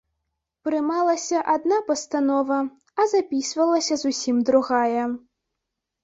Прымалася адна пастанова, а запісвалася зусім другая.